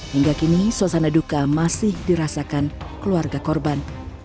hingga kini suasana duka masih dirasakan keluarga korban